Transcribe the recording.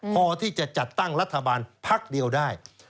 พอที่จะจัดตั้งรัฐบาลพักเดียวได้